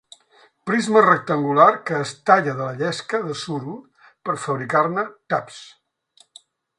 Prisma rectangular que es talla de la llesca de suro per fabricar-ne taps.